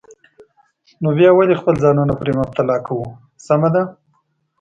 نو بیا ولې خپل ځانونه پرې مبتلا کوو؟ سمه ده.